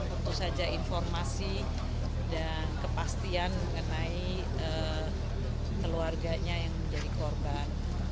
tentu saja informasi dan kepastian mengenai keluarganya yang menjadi korban